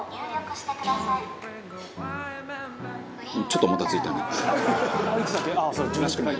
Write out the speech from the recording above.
「ちょっともたついたな」